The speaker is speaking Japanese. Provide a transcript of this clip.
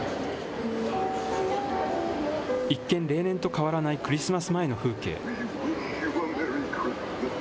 一見、例年と変わらないクリスマス前の風景。